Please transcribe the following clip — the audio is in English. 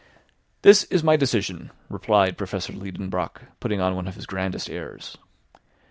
"This is my decision," replied Professor Liedenbrock, putting on one of his grandest airs.